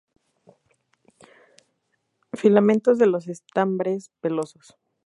Filamentos de los estambres pelosos.